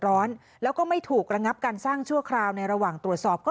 ร้อนแล้วก็ไม่ถูกระงับการสร้างชั่วคราวในระหว่างตรวจสอบก็